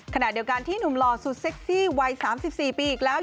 ขณะเดียวกันที่หนุ่มหล่อสุดเซ็กซี่วัย๓๔ปีอีกแล้ว